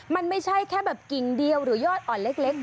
มันไม่ใช่แค่แบบกิ่งเดียวหรือยอดอ่อนเล็ก